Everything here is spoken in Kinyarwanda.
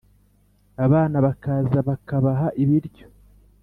abana bakaza, bakabaha ibiryo